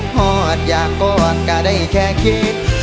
หอดอยากบอกกาได้แค่คิด